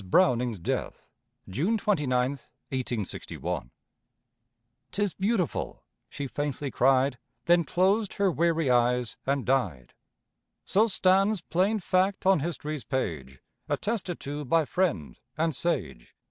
BROWNING'S DEATH. June 29, 1861. "'Tis beautiful," she faintly cried, Then closed her weary eyes and died. So stands plain fact on history's page, Attested to by friend and sage.